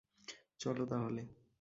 চলো, তাহলে!